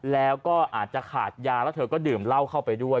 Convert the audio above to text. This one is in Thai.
แล้วก็อาจจะขาดยาแล้วเธอก็ดื่มเหล้าเข้าไปด้วย